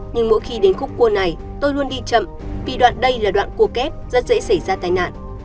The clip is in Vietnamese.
nhưng mỗi khi đến khúc cua này tôi luôn đi chậm vì đoạn đây là đoạn cua kép rất dễ xảy ra tai nạn